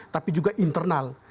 tapi juga internal